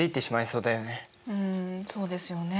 うんそうですよね。